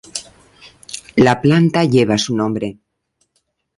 La planta lleva su nombre.